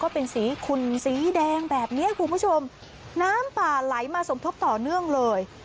เป็นทีนี้น้ำป่าไหลมาสมทบต่อเนื่องเลย